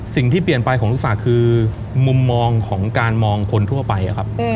สิ่งที่เปลี่ยนไปของลูกสาวคือมุมมองของการมองคนทั่วไปครับ